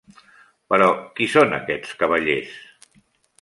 Però, qui són aquests cavallers?